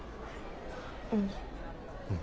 うん。